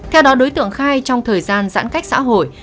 theo đó đối tượng khai trong thời gian giãn cách xã hội